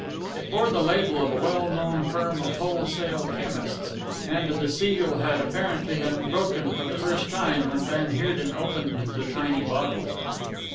It bore the label of a well known firm of wholesale chemists, and the seal had apparently been broken for the first time when van Heerden opened the tiny bottle.